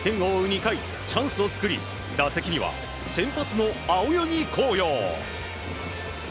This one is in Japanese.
２回、チャンスを作り打席には先発の青柳晃洋。